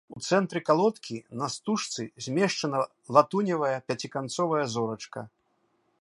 У цэнтры калодкі на стужцы змешчана латуневая пяціканцовая зорачка.